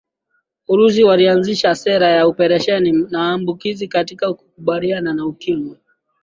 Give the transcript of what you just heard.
urusi walianzisha sera ya operesheni maambukizi katika kukabiliana na ukimwi